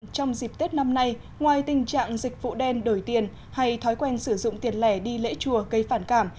trong dịp tết năm nay ngoài tình trạng dịch vụ đen đổi tiền hay thói quen sử dụng tiền lẻ đi lễ chùa gây phản cảm